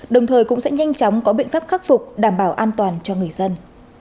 đồng thời cũng sẽ nhanh chóng có biện pháp khắc phục đảm bảo an toàn cho người dân